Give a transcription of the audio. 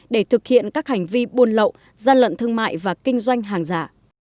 để thực hiện các hành vi buôn lậu gian lận thương mại và kinh doanh hàng giả